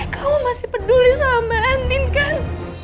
kamu masih peduli sama anin kan